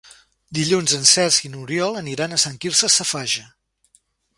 Dilluns en Cesc i n'Oriol aniran a Sant Quirze Safaja.